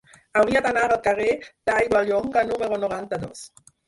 Hauria d'anar al carrer d'Aiguallonga número noranta-dos.